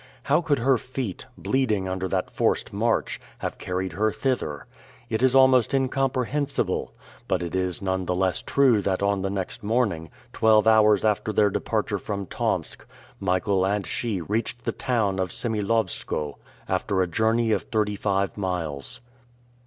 How could her feet, bleeding under that forced march, have carried her thither? It is almost incomprehensible. But it is none the less true that on the next morning, twelve hours after their departure from Tomsk, Michael and she reached the town of Semilowskoe, after a journey of thirty five miles.